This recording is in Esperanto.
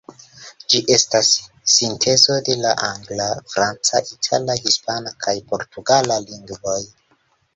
Ĝi estas sintezo de la angla, franca, itala, hispana kaj portugala lingvoj.